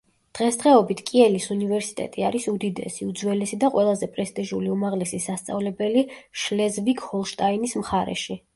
დღესდღეობით კიელის უნივერსიტეტი არის უდიდესი, უძველესი და ყველაზე პრესტიჟული უმაღლესი სასწავლებელი შლეზვიგ-ჰოლშტაინის მხარეში.